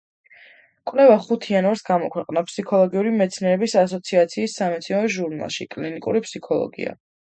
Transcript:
კვლევა ხუთ იანვარს გამოქვეყნდა ფსიქოლოგიური მეცნიერების ასოციაციის სამეცნიერო ჟურნალში „კლინიკური ფსიქოლოგია“.